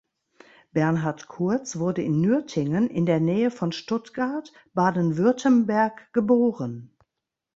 Bernhard Kurz wurde in Nürtingen in der Nähe von Stuttgart Baden-Württemberg geboren.